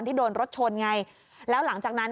โดนรถชนไงแล้วหลังจากนั้น